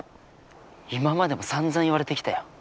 今までもさんざん言われてきたよ。